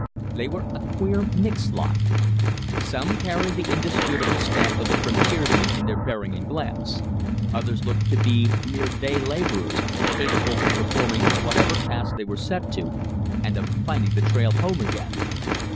They were a queer, mixed lot. Some carried the indisputable stamp of the frontiersman in their bearing and glance; others looked to be mere day laborers, capable of performing whatever task they were set to, and of finding the trail home again.